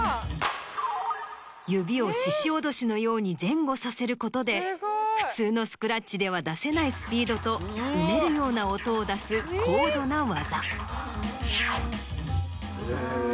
指をししおどしのように前後させることで普通のスクラッチでは出せないスピードとうねるような音を出す高度な技。